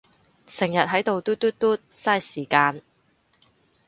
成日係到嘟嘟嘟，晒時間